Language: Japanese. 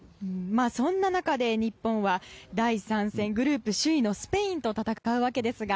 そんな中で、日本は第３戦、グループ首位のスペインと戦うわけですが。